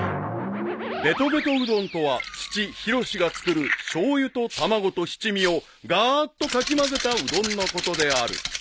［ベトベトうどんとは父ヒロシが作るしょうゆと卵と七味をガーッとかき混ぜたうどんのことである］